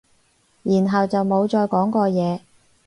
然後就冇再講過嘢